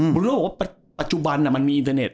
โล่บอกว่าปัจจุบันมันมีอินเทอร์เน็ต